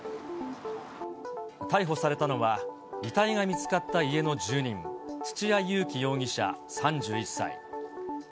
逮捕されたのは遺体が見つかった家の住人、土屋勇貴容疑者３１歳。